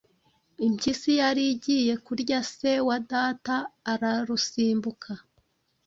Impyisi yari igiye kurya se wa data ararusimbuka.